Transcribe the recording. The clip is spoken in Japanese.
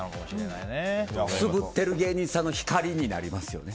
くすぶってる芸人さんの光になりますよね。